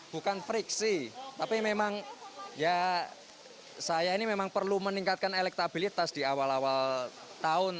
bukan friksi tapi memang ya saya ini memang perlu meningkatkan elektabilitas di awal awal tahun